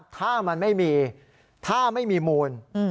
ถ้ามันไม่มีถ้าไม่มีมูล